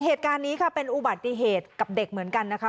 เหตุการณ์นี้ค่ะเป็นอุบัติเหตุกับเด็กเหมือนกันนะคะ